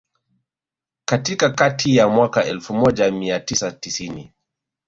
Katika kati ya mwaka Elfu moja mia tisa tisini